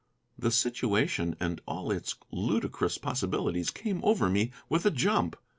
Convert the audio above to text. The situation and all its ludicrous possibilities came over me with a jump.